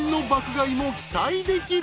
買いも期待できる］